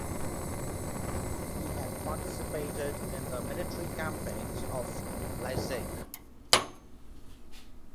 He had participated in the military campaigns of Leszek.